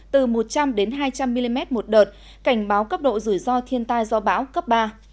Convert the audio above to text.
từ một trăm linh đến hai trăm linh mm một đợt cảnh báo cấp độ rủi ro thiên tai do bão cấp ba